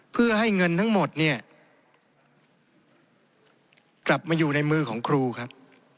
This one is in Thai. เพื่อให้เงินทั้งหมดเนี่ยกลับมาอยู่ในมือของครูครับ